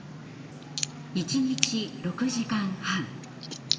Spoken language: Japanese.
一日６時間半。